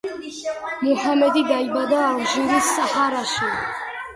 მუჰამედი დაიბადა ალჟირის საჰარაში.